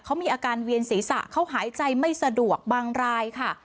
เขามีอาการเวียนศีรษะเขาหายใจไม่สะดวกบางรายค่ะ